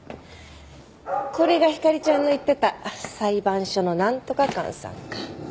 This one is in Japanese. これがひかりちゃんの言ってた裁判所のなんとか官さんか。